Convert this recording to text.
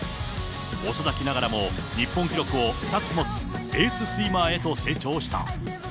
遅咲きながらも日本記録を２つ持つ、エーススイマーへと成長した。